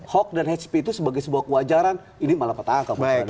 hoax dan hp itu sebagai sebuah kewajaran ini malah perang